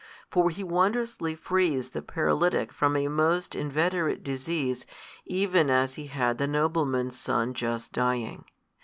For He wondrously frees the paralytic from a most inveterate disease even as He had the nobleman's son just dying.